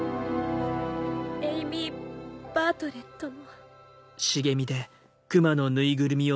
「エイミー・バートレットの」。